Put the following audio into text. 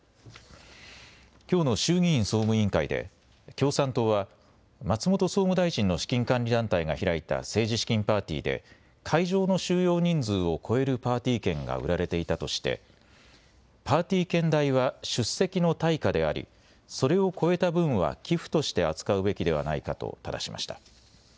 きょうの衆議院総務委員会で共産党は松本総務大臣の資金管理団体が開いた政治資金パーティーで会場の収容人数を超えるパーティー券が売られていたとしてパーティー券代は出席の対価であり、それを超えた分は寄付として扱うべきではないかとただしました。